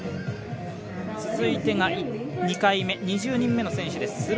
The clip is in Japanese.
続いてが２回目、２０人目の選手です。